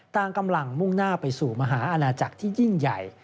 ต่างกำลังมุ่งหน้าไปสู่มหาอาณาจักรที่ยิ่งใหญ่